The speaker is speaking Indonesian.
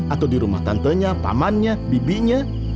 atau di rumah tantenya pamannya bibinya